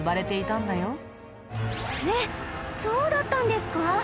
えっそうだったんですか！？